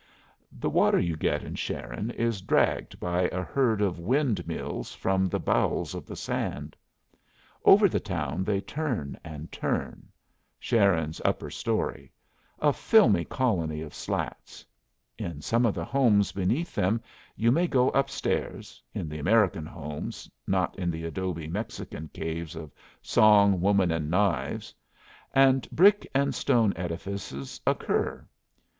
The water you get in Sharon is dragged by a herd of wind wheels from the bowels of the sand. Over the town they turn and turn Sharon's upper story a filmy colony of slats. In some of the homes beneath them you may go up stairs in the American homes, not in the adobe Mexican caves of song, woman, and knives; and brick and stone edifices occur.